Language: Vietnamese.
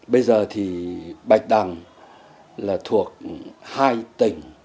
bây giờ thì bạch đằng là thuộc hai tỉnh